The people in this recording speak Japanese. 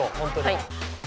はい！